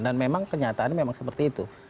memang kenyataannya memang seperti itu